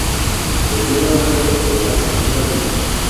Volvió nuevamente al programa "Pura Vida".